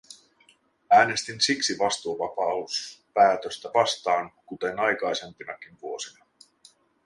Äänestin siksi vastuuvapauspäätöstä vastaan, kuten aikaisempinakin vuosina.